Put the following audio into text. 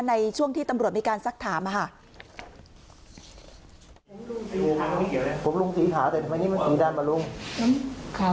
ในช่วงที่ตำโหลดมีการสักถามอ่า